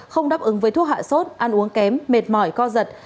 không đáp ứng với thuốc hạ sốt ăn uống kém mệt mỏi co giật